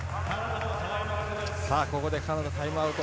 ここでカナダ、タイムアウト。